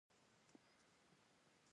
هغه هغې ته په درناوي د اواز کیسه هم وکړه.